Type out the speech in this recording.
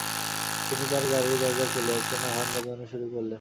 তিনি তাঁর গাড়ির দরজা খুলে একটানা হর্ন বাজানো শুরু করলেন।